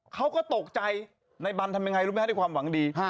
เขาก็ตกใจในบันทำยังไงรู้ไหมฮะด้วยความหวังดี